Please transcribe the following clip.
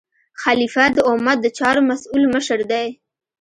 خلیفه د امت د چارو مسؤل مشر دی.